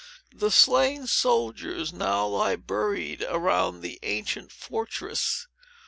The slain soldiers now lie buried around that ancient fortress.